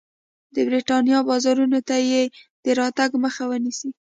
د برېټانیا بازارونو ته یې د راتګ مخه ونیسي.